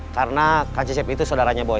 karena kang sisip itu saudaranya boy